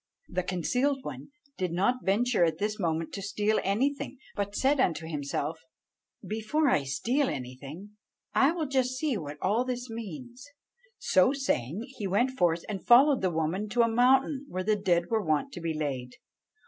The concealed one did not venture at this moment to steal anything, but said unto himself, 'Before I steal anything, I will just see what all this means.' "So saying, he went forth and followed the woman to a mountain where the dead were wont to be laid.